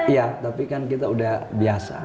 iya tapi kan kita udah biasa